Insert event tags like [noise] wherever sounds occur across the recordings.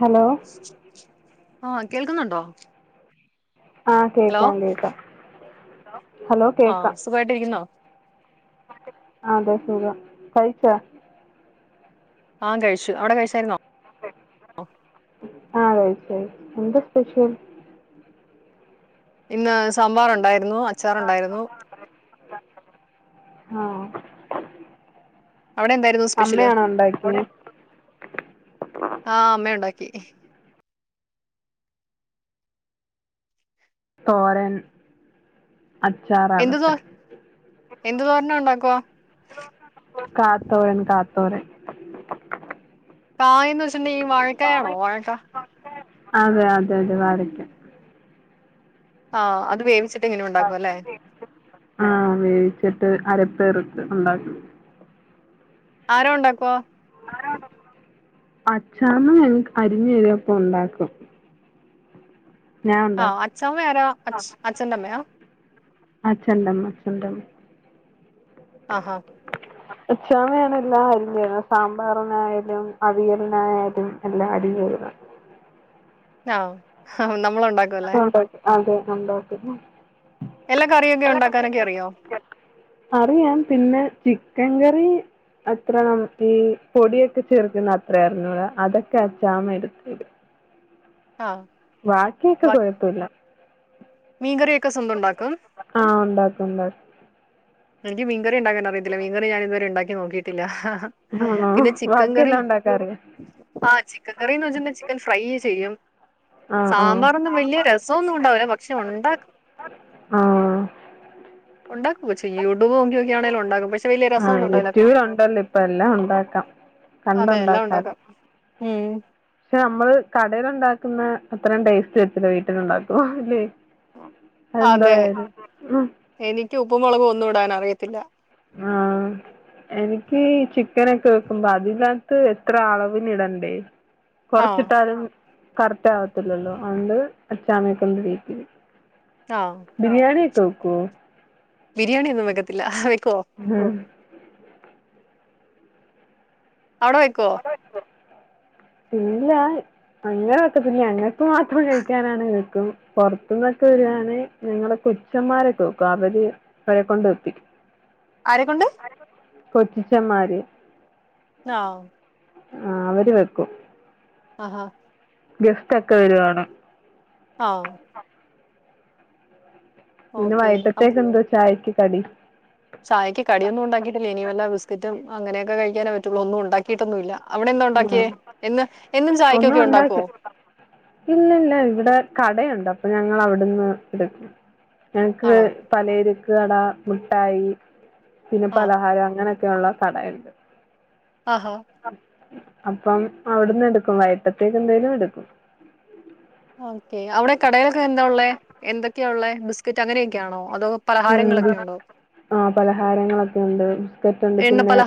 Hello ആ കേൾക്കുന്നുണ്ടോ? ആ ഹലോ കേൾക്കാ കേൾക്കാ ആ സുഖായിട്ടിരിക്കുന്നോ? ആതെ സുഖം കഴിചോ? ആ കഴിച്ചു അവിടെ കഴിചായ്രുന്നോ ആ കൈച്ചി എന്ത സ്പെഷ്യൽ ന്ന് സാമ്പാറുണ്ടായി അവിടെ എന്തായിരുന്നു ആ സ്പെഷ്യല് അമ്മയാണോ ണ്ടാക്ക്യേ? ആ അമ്മയുണ്ടാക്കി തോരൻ അച്ചാറാണ് എന്ത് തോ എന്ത് തോരനാ ഉണ്ടാക്കുവാ കാതോരൻ കാതോരൻ കായന്ന് വെച്ചിണ്ടെങ്കി ഈ വായക്കയാണോ വായക്ക അതെ അതെ തെ വായക്ക ആഹ് അത് വേവിച് ആഹ് വേവിച്ചിട്ട് അരപ്പേർത്ത് ണ്ടാക്കും ആരാ ഉണ്ടാക്കുവ അച്ചാമ്മ എനിക്ക് അരിഞ്ഞെരും അപ്പൊ ണ്ടാക്കും ആഹ് ഉണ്ടാക്കും അച്ചാമ്മ യാരാ അച് അച്ഛൻണ്ടമ്മയാ അച്ഛന്റമ്മ അച്ഛന്റമ്മ അഹാ ഉച്ചാമ്പോ ഞാന് എല്ലാം അരിഞ്ഞേരും സാമ്പാറിനായാലും അവിയലിനായാലും എല്ലാ അരിഞ്ഞേരു ന ആ നമ്മളുണ്ടാ അപ്പൊ [unintelligible] ആ അതെ കണ്ടോ പിന്നെ എല്ലാ കറിയൊക്കെ ഉണ്ടാക്കാനങ്കി അറിയോ അറിയാം പിന്നെ ചിക്കൻ കറി അത്രണം ഈ പൊടിയൊക്കെ ചേർക്ക്ന്ന അത്ര അർഞ്ഞുടാ അതൊക്കെ അച്ചാമ എട്ത്തെരും ആ ബാക്കിക്കെ കൊഴ്പ്പോല്ലാ മീൻ കറിക്കെ സ്വന്ത ഉണ്ടാക്കും ആ ഉണ്ടാക്കും ഉണ്ടാ എനിക്ക് മീൻകറി ഉണ്ടാക്കാൻ അറിയത്തില്ല മീങ്കറി ഞാൻ ഇതവരെ ഉണ്ടാക്കി നോക്കിട്ടില്ലാ ആണോ ബാക്കിയെല്ലാം ഉണ്ടാക്കാറിയോ ആ ചിക്കൻ കറിന്ന് വെച്ചിണ്ട് ചിക്കൻ ഫ്രൈ ചെയ്യും ആ സാമ്പാറൊന്നും വല്ല്യ രസൊന്നും ഉണ്ടാവുലാ പക്ഷെ ഉണ്ടാക്കും ആഹ് ഉണ്ടാക്കൂ ചെയ്യൂട്യൂബ് നോക്കിയൊക്കാണെലും ഉണ്ടാക്കും പക്ഷെ വല്ല്യ രസം ആഹ് ഒന്നും ഉണ്ടാവല്ലാ പിന്നെ യൂട്യൂബിൽ ഉണ്ടല്ലോ ഇപ്പൊ എല്ലാം ഉണ്ടാക്കാം അതെ എല്ലാം കണ്ടുണ്ടാക്കാലോ ഉണ്ടാക്കാം ഉം പക്ഷെ നമ്മള് കടെല്ണ്ടാ ക്ക്ന്നാ അത്രം ടേസ്റ്റ് വര്ത്തില്ലാ വീട്ടിലുണ്ടാക്കു ല്ലേ അതെ എനിക്ക് ഉപ്പു മുളകും ഒന്നും ഇടാനറിയത്തില്ലാ ആ എനിക്ക് ചിക്കനൊക്കെ വെക്ക്മ്പോ അതിലാ ത്ത് എത്ര അളവിന് ഇടണ്ടേ ആ കൊറച്ചിട്ടാലും കറക്റ്റ് ആവത്തില്ലല്ലോ അകൊണ്ട് അച്ചാമ്മേ കൊണ്ട് ടിപ്പിക്കും ത്താ ബിരിയാണിക്കെ വേക്കൊ ബിരിയാണി ഒന്നും വെക്കത്തില്ലാ വെക്കോ ഉം അവടെ വെക്കോ ഇല്ല അങ്ങന വേക്കത്തില്ലാ ഞങ്ങക്ക് മാത്രം കഴിക്കാനാണേ വെക്കും പൊർത്ത്ന്നൊക്കെ വേരാണങ്കി ഞങ്ങളെ കൊച്ചന്മാരെക്കെ വെക്കും അവര് അവരെ കൊണ്ട് വെപ്പിക്കും ആരെക്കൊണ്ട് കൊച്ചച്ചമ്മാര് ആ ആ അവര് വെക്കും അഹാ ഗെസ്റ്റ് ഒക്കെ വരുവാണെ ആ പിന്നെ ഓക്കെ വൈട്ടേത്തേക്കെന്ത് ചായക്ക് കടി ചായക്ക് കടിയോന്നും ഉണ്ടാക്കിട്ടില്ലാ ഇനി വല്ല ബിസ്ക്കറ്റും അങ്ങനെയൊക്കെ കഴിക്കാനേ പറ്റൊള്ളൂ ഒന്നും ഉണ്ടാക്കിട്ടൊന്നുല്ലാ അവടെ എന്താ ഉണ്ടാക്കിയേ ഉം എന്ന് എന്നും ചായക്കൊക്കെ ഉണ്ടാക്കോ ഇല്ല ഇല്ല ഇവടെ കടയുണ്ട് അപ്പൊ ഞങ്ങള അവ്ട്ന്ന് എട്ക്കും ഞങ്ങക്ക് ആണോ പലരക്ക് കട മുഠായി പിന്നെ ആഹ് പലഹാരം അങ്ങന ഒക്കെള്ള കട ഇണ്ട് അഹാ അപ്പം അവ്ട്ന്ന് എടുക്കും വൈട്ടേത്തേക്ക് എന്തെലും എട്ക്കും ഓക്കെ അവടെ കടേലൊക്കെ എന്താ ഉള്ളേ എന്തൊക്കെയാ ഉള്ളേ ബിസ്ക്കറ്റ് അങ്ങനെയൊക്കെയാണോ അതോ ന്ത് പലഹാരങ്ങളൊക്കെ ഉണ്ടോ? ആ പലഹാരങ്ങളൊക്കെയുണ്ട് ബിസ്ക്കേറ്റ് ഉണ്ട് പിന്നെ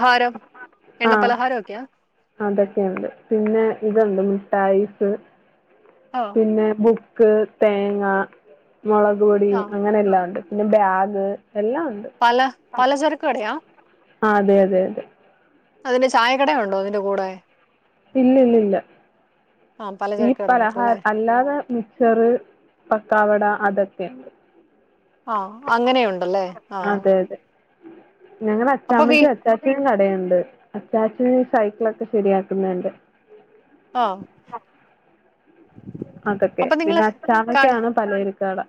ആ എണ്ണപ്പലഹാരോക്കെയാ അതൊക്കെയുണ്ട് പിന്നെ ഇത്ണ്ട് മുഠായിസ് ആഹ് പിന്നെ ബുക്ക് തേങ്ങ മുളക് പൊടി ആഹ് അങ്ങനെ എല്ലാം ഉണ്ട് പിന്നെ ബാഗ് എല്ലാം ഉണ്ട് പല പലചരക് കടയാ ആ അതെ അതെ അതെ അതിന് ചായക്കടയുണ്ടോ അതിന്റെ കൂടെ ഇല്ലില്ലില്ല ആഹ് ഈ പലചരക്ക് കട മാത്രം അല്ലേ? പലഹാര് അല്ലാതെ മിച്ചറ് പക്കാവട അതൊക്കെണ്ട് ആ അങ്ങനെയുണ്ടല്ലേ ആ അതെ അതെ ഞങ്ങടെ അച്ചാമ്മയ്ക്ക് അചാച്ചനും കടയുണ്ട് അചാച്ചൻ സൈക്കിളക്കെ ശെരിയാക്ക്‌ന്നേന്റെ ആ അതൊക്കെ അപ്പൊ നിങ്ങള് പിന്നെ കട അച്ചാമയ്ക്കാണ് പലയിരക്കട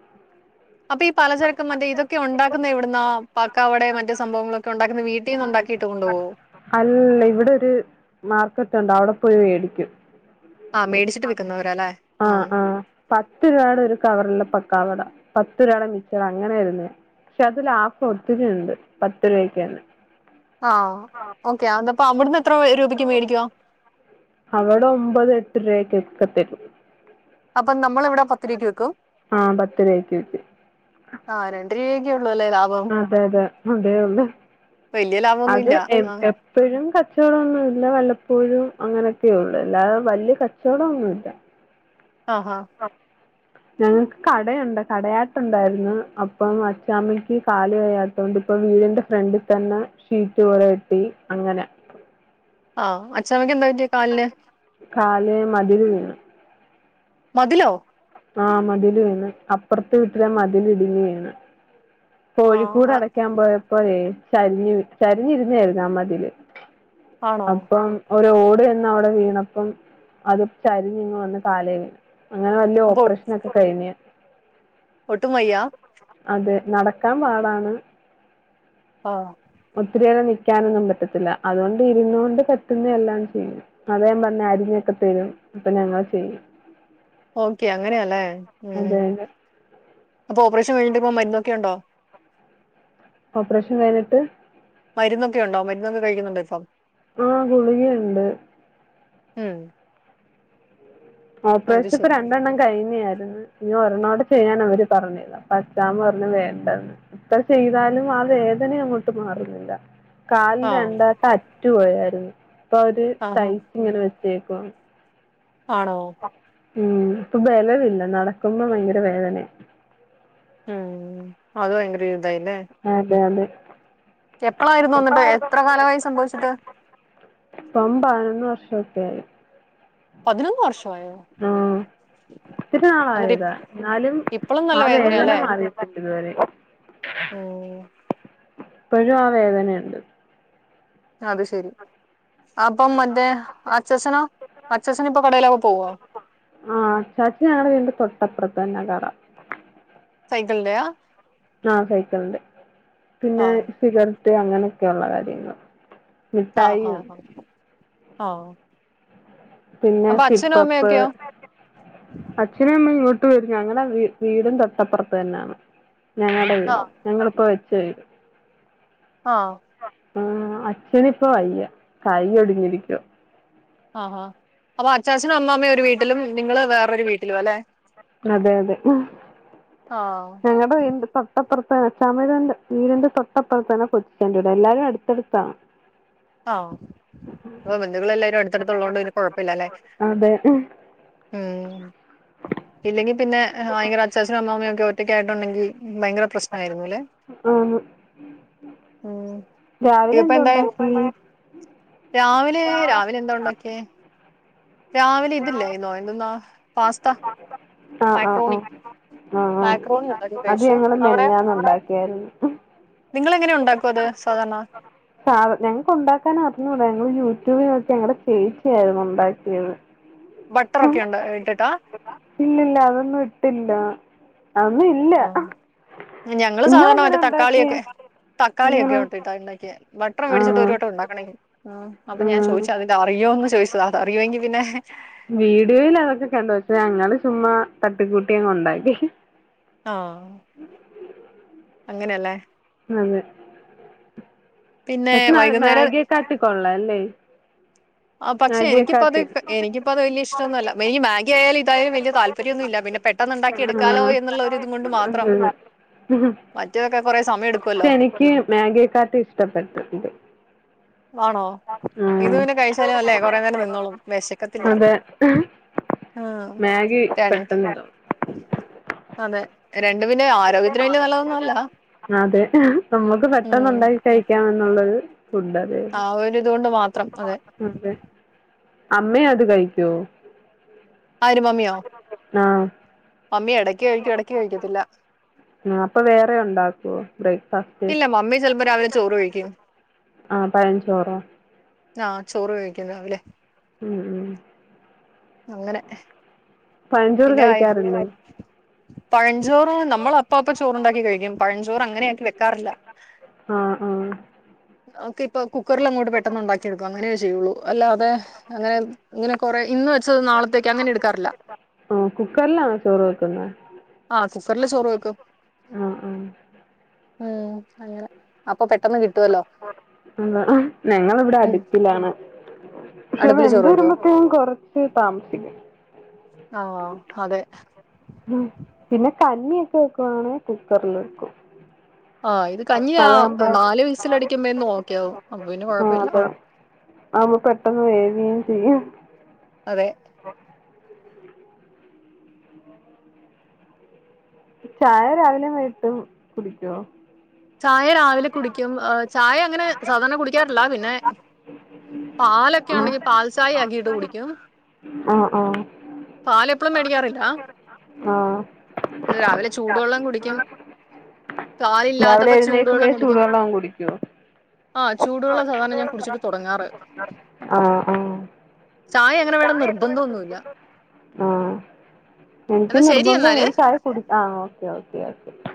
അപ്പൊ ഈ പലചരക്കും മറ്റേ ഇതൊക്കെ ഉണ്ടാക്കുന്ന എവിടുന്ന പക്കാവിടെ മറ്റ സംഭവങ്ങളൊക്കെ ഉണ്ടാക്കുന്ന വീ ട്ടീന്ന്ണ്ടാക്കയിട്ട് കൊണ്ടോവൊ അല്ല ഇവിടൊരു മാർക്കറ്റ് ഉണ്ട് അവടെ പോയി മേടിക്കും ആഹ് മേടിച്ചിട്ട് വിക്കുന്നവരാ അല്ലേ? ആ ആഹ് ആ പത്ത് രൂവാടെ ഒരു കവറില പക്കാവടാ പത്ത് രൂവാടെ മിച്ചർ അങ്ങനെ വരുന്നെ പക്ഷെ അതിലാഫ് ഒത്തിരി ഉണ്ട് പത്ത് രൂവയ്ക്കന്നെ ആ ഓക്കെ അന്നപ്പ അവിടുന്ന് എത്ര രൂപയ്ക്ക് മേടിക്ക അവടെ ഒമ്പത് എട്ട് രൂവായ്ക്ക് ക്കെത്തരും അപ്പൊ നമ്മളിവടെ പത്തുരൂവയ്ക്ക്‌ വിക്കും ആ പത്തു രൂവയ്ക്ക്‌ വിക്കും ആ രണ്ടുരൂവക്കൊള്ളൂല്ലേ ലാബം അതെ അതെ അതേള്ളു വലിയ ലാഭമൊന്നും അത് ഇല്ല എം ആ എപ്പ പ്പഴും കച്ചവടടൊന്നുംല്ല വല്ലപ്പോഴും അങ്ങനെയൊക്കെയൊള്ളൂ അല്ലാതെ വലിയ കച്ചവടം ഒന്നുല്ല. ആഹ് അ ഞങ്ങൾക്ക് കടയുണ്ട് കടയാട്ടുണ്ടായിരുന്നു അപ്പം അച്ചാമ്മക്ക് കാല് വെയാ തോണ്ട് വീടിന്റെ ഫ്രണ്ടിതന്നെ ഷീറ്റ് പോലേട്ടി അങ്ങനെ ആ അചാമയ്ക്ക് ന്താ പറ്റി കാല്ന്. കാല് മതില് വീണ്. മതിലോ? ആ മതിൽ വീണ് അപ്പറത്തെ വീട്ടിലെ മതിൽ ഇടിഞ്ഞ് വീണ്. ആ കോഴിക്കൂട് ആ, അടക്കാൻ പോയപ്പോഴേ ചരിന്നു ചരിഞ്ഞ്ര്ന്നായിരുന്നു ആ മതില്. ആണോ അപ്പം ഒരു ഓട് ചന്ന് അവടെ വീണപ്പം അത് ചരിഞ്ഞിങ്ങ് വന്ന് കാലേ വീണ്. അങ്ങനെ വല്ല അപ്പൊ ഓപ്പറേഷൻ ക്കെ കഴിഞ്ഞ്. ഒട്ടുവയ്യ അതെ നടക്കാൻ പാടാണ്. ആഹ് ഒത്തിരിയേരം നിക്കാനൊന്നും പറ്റത്തില്ല അതുകൊണ്ട് ഇരുന്നോണ്ട് പറ്റുന്നയെല്ലാം ചെയ്യും. അതെ ഞാൻ പറഞ്ഞു അരിഞ്ഞൊക്കെ തരും അപ്പൊ ഞങ്ങൾ ചെയ്യും. [inaudible] ഓക്കെ അങ്ങനെയല്ലേ അതെ ഉം അതെ. അപ്പൊ ഓപ്പറേഷൻ കഴിഞ്ഞിട്ട്പ്പൊ മരുന്നൊക്കെ യുണ്ടോ ഓപ്പറേഷൻ കൈങിട് മരുന്നൊക്കെ ഉണ്ടോ മരുന്നൊക്കെ കഴിക്കുന്നുണ്ടോ ഇപ്പം. ആ ഗുളികകെണ്ട്. ഉം അത് ഓപ്പറേഷൻ പ്പൊ ശരി രണ്ടെണ്ണം കഴിനെആയിരുന്നു. ഇനി ഒരൊനോടിം ചെയ്യാൻ അവര് പറന്നേത് അപച്ചാമ പറഞ് വേണ്ടന്ന്. ഇത്ര ചെയ്താലും ആ വേദന അങ്ങോട്ട് മാറുന്നില്ല. കാലിൽ ആ രണ്ടാട്ടം അറ്റുപയായിരുന്നു ഇപ്പൊ അവര് ആഹാ തയ്ച്ച് ഇങ്ങനെ വെച്ചേക്കും ആണോ? ഉം ഇപ്പൊ ബിലവില്ല നടക്കുമ്പോ ഭയങ്കര വേദന. ഉം അത് ബയഗര ഇത് ഇല്ലെ അതെ അതെ എപ്പളായിരുന്നു വന്നിട്ട് എത്ര കാലമായി സംഭവിച്ചിട്ട്. ഇപ്പം പതിനൊന്ന് വർഷൊക്കെ ആയി. പതിനൊന്ന് വർഷം ആഹ് ആഹാ ഒത്തിരി എന്നിട്ട് നാളായതാ ഇപ്പ- എന്നാലും ഇപ്പളും നല്ല ആ വേദന വേദനയല്ലേ മാറിട്ട്ല ഇതുവരെ ആഹ് ഇപ്പോഴും ആ വേദനയുണ്ട്. അത് ശെരി അപ്പം മറ്റേ അച്ഛനോ അച്ച്ഛന് ഇപ്പൊ കടയിലൊക്കെ പോവോ? ആഹ് അചാച്ചി ഞങ്ങളടെ വീട് തൊട്ടപ്പുറത്ത് തന്നെ കട സൈകിൾന്റെയാ ആ സൈക്കിളിന്റെ ആ പിന്നെ സിഗരറ്റ് അങ്ങനെയൊക്കെയള്ള കാര്യങ്ങൾ ആഹ മിഠായിയുണ്ട് ഹഹ ഹ ആഹ പിന്നെ സിപ്പപ്പ്. അച്ഛന അമ്മ ഇങ്ങോട്ട് വരും ഞങ്ങടെെ വീടും തൊട്ടപ്പുറത്ത് തന്നെയാണ്. ഞങ്ങളുടൊ ആ വീട് ഞങ്ങളിപ്പോ വെച്ച വീട്. ആഹ് ആ അച്ഛനി ഇപ്പ വയ്യ കൈ ഒടുങ്ങിരിക്കുവ. ആഹാ അപ്പൊ അച്ചാച്ചനും അമ്മ്മയും ഒരു വീട്ടിലും നിങ്ങള് വേറൊരു വീട്ടിലും അല്ലെ. അതെ അതെ ആ ഞങ്ങടെ വീടിന്റെ തൊട്ട് തൊട്ടപ്പറ്ത്തെ എ ചമയണ്ട് വീടിന്റെ തൊട്ടപ്പറത്തെന്നെ കൊച്ചെണ്ട ട എല്ലാരും അടുത്തടുത്ത ആഹാ ഹൊ അപ്പൊ ബന്ധുക്കൾ എല്ലാരും അടുത്തടുത്ത് ഉള്ളോണ്ട് ഇനി കൊഴപ്പ ഇല്ലാല്ലെ അതെ ഉം ഇല്ലെങ്കി പിന്നെ ഭയങ്കര അച്ചാച്ചനും അമ്മാമ്മയും ഒക്കെ ഒറ്റയ്ക്ക ആയിട്ടുണ്ടെങ്കിൽ ഭയങ്കര പ്രശ്ന ആയിരുന്നുല്ലെ ആന്ന് ഉം രാവിലെ ഇതിപ്പെ എന്തോ എന്തായി ഉണ്ടാക്കി രാവിലെ രാവിലെ എന്താ ഉണ്ടൊക്ക്യെ രാവിലെ ഇതില്ലെയ്ന്നോ എന്തൊന്നാ പാസ്ത ആഹ് ആഹ് മാക്രോണി ആഹ് ആഹ് ആഹ് മാക്രോണി ഉണ്ടാക്കി അത് കഴിച്ചോ ഞങ്ങള് അവെടെ മെനഞ്ഞാന്ന് ഉണ്ടാക്കിയായിരുന്നു നിങ്ങളെങ്ങനെ ഉണ്ടാക്കും അത് സാധാരണ സാധ ഞങ്ങക്ക് ഉണ്ടാക്കാൻ അറിഞ്ഞൂട. ഞങ്ങള് യൂട്യൂബിൽ വെച്ച് ഞങ്ങടെ ചേച്ചിയായിരുന്നു ഉണ്ടാക്കിയത്. ബട്ടറൊക്കെ ഉണ്ട് ഇട്ട്ട്ടാ ഇല്ലല്ല അതൊന്നും ഇട്ട്ല്ല അന്നും ഇല്ല ആഹ് ഞങ്ങള് സാധാരണ നിങ്ങളെങ്ങനെ മറ്റേ ഉണ്ടാക്കിയേ തക്കാളിയൊക്കെ തക്കാളിയൊഒക്കെ എങ്ങനെ ഇട്ടിട്ടാ ഇണ്ടാക്ക്യെ. വ ഭട്ടണം മേടിച്ചിട്ട് ആഹ് ഒരു വട്ടം ഉണ്ടാക്കണെങ്കി ആഹ് അപ്പ ഞാൻ ആഹ് ചോദിച്ചാ അത് അറിയോന്ന് ചോദിച്ചതാ. അത അറിയൊങ്കി പിന്നെ വീഡിയോയിൽ അതൊക്കെ കണ്ടു. ഷെ ഞങ്ങള് ചുമ്മാ തട്ടിക്കൂട്ടി അങ് ഉണ്ടാക്കി. ആഹ് ഉം അങ്ങെനെലെ അതെ പിന്നെ പക്ഷെ ന വൈകുന്നേരം മാഗ്യേക്കാട്ടി കൊള്ളാ ല്ലെ. ആ പക്ഷെ എനിക്ക് ഇപ്പ അത് എനിക്കിപ്പോ അത് വല്യ ഇഷ്ടൊന്നല്ല. ഇനി മാഗി ആയാലു ഇതായും വല്യ താല്പര്യന്നുല്ല. പിന്നെ പെ പെട്ടെന്നുണ്ടാക്കി എടുക്കാലോ ആഹ് എന്നുള്ള ഒ ഇത് കൊണ്ട് മാത്രം. ഉം മറ്റേതൊക്കെ കൊറെ സമയം എടുക്കുവല്ലോ മാഗിയെക്കാട്ടി ഇഷ്ടപ്പെട്ട് ഇണ്ട്. വാണോ. ഇത് ആഹ് പിന്നെ കഴിച്ചാലും അല്ലേ കുറെ നേരം നിന്നോളും വെശക്കത്തില്ല അതെ ആഹ് മാഗി രണ്ട് പെട്ടെന്നിതാവും അതെ രണ്ട് പിന്നെ ആരോഗ്യത്തിന് വലിയ നല്ലതൊന്നും അല്ല അതെ നമ്മക്ക് ഉം പെട്ടന്നുണ്ടായി കയിക്കാം എന്നുള്ളരു ഫുഡ്‌ ആണ്. ആഹ് ഒരിതോണ്ട് മാത്രം അതെ അതെ അമ്മേ അത് കഴിക്കോ ആര് മമ്മിയോ ആഹ് മമ്മി എടയ്ക്ക് കഴിക്കും എടക്ക് കഴിക്കത്തില്ല ആഹ് അപ്പൊ വേറെ ഉണ്ടാക്കോ ബ്രേക്ക്ഫാസ്റ്റ് ഇല്ല മമ്മി ചിലപ്പോ രാവിലെ ചോറ് കഴിക്കും ആഹ് പയൻഞ്ചോറോ ആഹ് ചോറ് കഴിക്കും രാവിലെ ഉം ഉം അങ്ങനെ പയൻഞ്ചോറ് പിന്നെ വൈ- കഴിക്കാറില്ലേ പഴഞ്ചോറ് നമ്മള് അപ്പാപ്പം ചോറുണ്ടാക്കി കഴിക്കും. പഴഞ്ചോറ് അങ്ങനെ ആക്കി വെക്കാറില്ല ആഹ് ആഹ് നമക്ക് ഇപ്പൊ കുക്കറിൽ അങ്ങോട്ട് പെട്ടെന്ന് ഉണ്ടാക്കി എടുക്കും അങ്ങനെ ചെയ്യുള്ളൂ അല്ലാതെ. അങ്ങനെ ഇങ്ങനെ കൊറെ ഇന്ന് വെച്ചത് നാളത്തേക്ക് അങ്ങനെ ഇടുക്കാറില്ല. കുക്കർ ലാൺചോർ വെക്കുന്നെ ആഹ് കുക്കറില് ചോറ് വക്കും ആഹ് ആഹ് ഏഹ് അങ്ങനെ അപ്പൊ പെട്ടന്ന് കിട്ട്വാല്ലോ ഞങ്ങള് ഇവിടെ അട്പ്പിലാണ്. പക്ഷെ അടുപ്പില് വെന്ത് ചോറ് വെക്കുവോ വെരുമ്പം. കൊറച്ച് താമസിക്കും ആഹ് അതെ പിന്നെ കഞ്ഞിയൊക്കെ വെക്കുവാണെ കുക്കറിൽ വെക്കും ആഹ് ഇത് കഞ്ഞി ആ അതാവുമ്പോ നാല് വിസിൽ അടിക്കുമ്പന്ന് ഒക്കെ യാവും അപ്പൊ പിന്നെ ആഹ് കൊഴപ്പല്ല അതെ ആവുമ്പോ പെട്ടെന്ന് വേവം ചെയ്യും അതെ ചായ രാവിലേം വൈകീട്ട് കുടിക്കോ ചായ രാവിലെ കുടിക്കും ചായ അങ്ങനെ സാധാരണ കുടിക്കാറില്ല പിന്നെ പാലൊക്കെ ഉണ്ടെങ്കിൽ പാൽചായ ആക്കിയിട്ട് കുടിക്കും ആഹ് ആഹ് പാല് പ്പളും മേടിക്കാറില്ല ആഹ് രാവിലെ ചൂടള്ളം കുടിക്കും കാലില്ലാത്ത എഴുന്നേക്കുമ്പേ ചൂടു വെള്ളം കുടിക്കോ ആഹ് ചൂടുവെള്ളം ചുടു സാധാരണ ഞാൻ വെള്ളം കുടിച്ചിട്ട് [unintelligible] തുടങ്ങാറ്. കുടിക്കാനും ണ്ട് ആഹ് ആഹ് ചായ അങ്ങനെ വേണമെന്ന് നിർബന്ധൊന്നുല്ല ആഹ് ആഹ് എനിക്ക് എന്നാ ശരി എന്നാല്. നിർബന്ധം എചായ ആഹ് ഓക്കെ ഓക്കെ